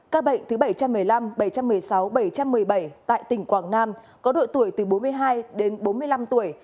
các bệnh thứ bảy trăm một mươi năm bảy trăm một mươi sáu bảy trăm một mươi bảy tại tỉnh quảng nam có độ tuổi từ bốn mươi hai đến bốn mươi năm tuổi